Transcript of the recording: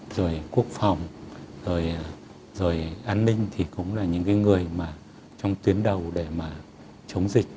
rồi quốc phòng rồi an ninh thì cũng là những cái người mà trong tuyến đầu để mà chống dịch